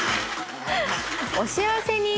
お幸せに。